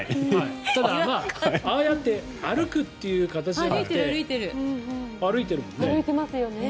ただ、ああやって歩くという形じゃなくて歩いてるもんね。